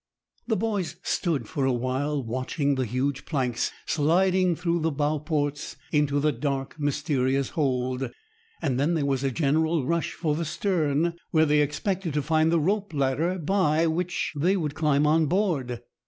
The boys stood for a while watching the huge planks sliding through the bow ports into the dark mysterious hold, and then there was a general rush for the stern, where they expected to find the rope ladder by which they would climb on board.